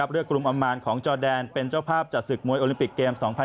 เลือกกลุ่มอำมาตย์ของจอดแดนเป็นเจ้าภาพจากศึกมวยโอลิมปิกเกม๒๐๒๐